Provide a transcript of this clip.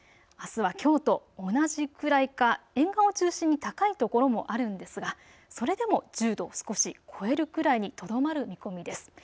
あすはきょうと同じくらいか沿岸を中心に高いところもあるんですがそれでも１０度、少し超えるぐらいにとどまる見込みです。